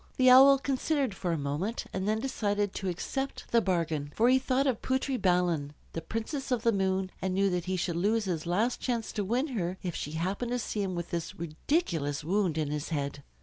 The Owl considered for a moment, and then decided to accept the bargain. For he thought of Putri Balan, the Princess of the Moon, and knew that he should lose his last chance to win her if she happened to see him with this ridiculous wound in his head.